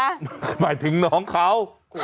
หมายถึงน้องเขา